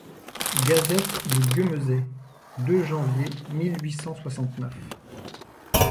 Gazette de Guemesey. deux janvier mille huit cent soixante-neuf.